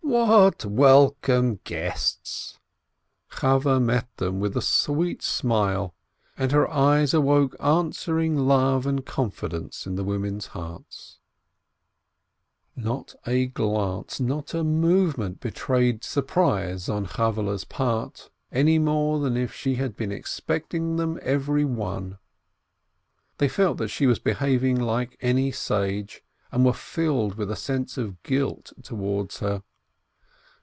"What welcome guests !" Chaweh met them with a sweet smile, and her eyes awoke answering love and confidence in the women's hearts. 470 t BLINKIN Not a glance, not a movement betrayed surprise on Chavvehle's part, any more than if she had been expect ing them everyone. They felt that she was behaving like any sage, and were filled with a sense of guilt towards her.